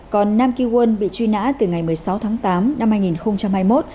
còn nam kỳ won bị truy nã từ ngày một mươi sáu tháng tám năm hai nghìn hai mươi một